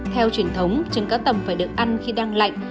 theo truyền thống trứng cá tầm phải được ăn khi đang lạnh